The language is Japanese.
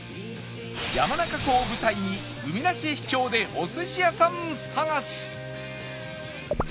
山中湖を舞台に海なし秘境でお寿司屋さん探し